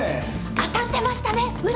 当たってましたね占い。